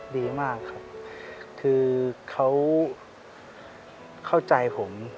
ดีมากครับคือเขาเข้าใจผม